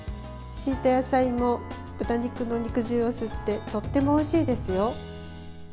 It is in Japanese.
敷いた野菜も豚肉の肉汁を吸ってとってもおいしいですよ。